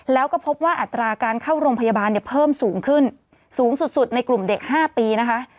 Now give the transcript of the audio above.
แล้วก็พบว่าอัตราการเข้าโรงพยาบาลเนี่ยเพิ่มสูงขึ้นสูงสุดในกลุ่มเด็ก๕ปีนะคะ